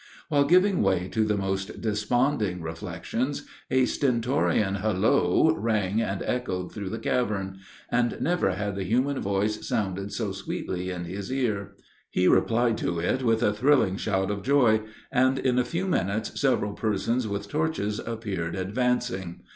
While giving way to the most desponding reflections, a stentorian hilloa rang and echoed through the cavern; and never had the human voice sounded so sweetly in his ear. He replied to it with a thrilling shout of joy, and, in a few minutes, several persons with torches appeared advancing.